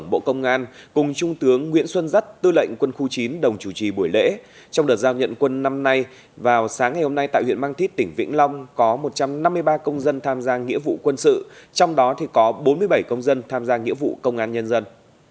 bộ công an cùng trung tướng nguyễn xuân rất tư lệnh quân khu chín đồng chủ trì buổi lễ trong đợt giao nhận quân năm nay vào sáng ngày hôm nay tại huyện mang thít tỉnh vĩnh long có một trăm năm mươi ba công dân tham gia nghĩa vụ quân sự trong đó có bốn mươi bảy công dân tham gia nghĩa vụ công an nhân dân